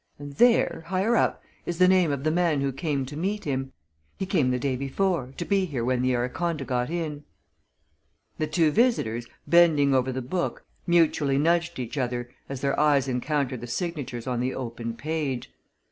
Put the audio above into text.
And there higher up is the name of the man who came to meet him. He came the day before to be here when the Araconda got in." The two visitors, bending over the book, mutually nudged each other as their eyes encountered the signatures on the open page.